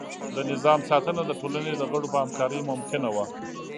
د نظام ساتنه د ټولنې د غړو په همکارۍ ممکنه وه.